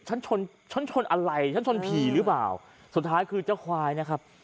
ชนฉันชนอะไรฉันชนผีหรือเปล่าสุดท้ายคือเจ้าควายนะครับ